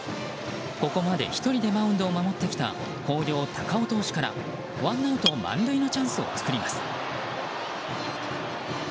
ここまで１人でマウンドを守ってきた広陵・高尾投手からワンアウト満塁のチャンスを作ります。